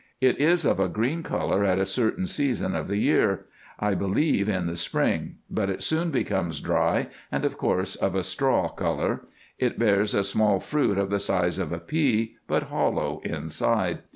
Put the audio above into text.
It is of a green colour at a certain season of the year, I believe in the spring ; but it soon becomes dry, and, of course, of a straw colour. It bears a small fruit of the size of a pea, but hollow inside.